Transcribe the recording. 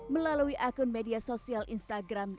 melalui akun media sosial instagram